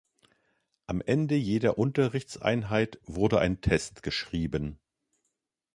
Am Ende jeder Unterrichtseinheit wurde ein Test geschrieben.